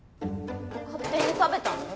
勝手に食べたの？